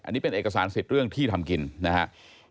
อันนี้เป็นเอกสารสิทธิ์เรื่องที่ทำกินนะครับ